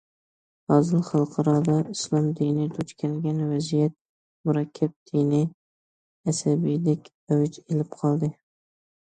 ھازىر خەلقئارادا ئىسلام دىنى دۇچ كەلگەن ۋەزىيەت مۇرەككەپ، دىنىي ئەسەبىيلىك ئەۋج ئېلىپ قالدى.